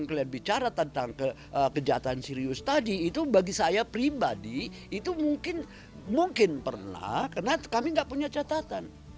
tapi kalau yang kalian bicara tentang kejahatan serius tadi itu bagi saya pribadi itu mungkin mungkin pernah karena kami enggak punya catatan